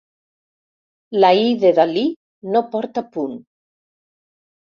La i de Dalí no porta punt.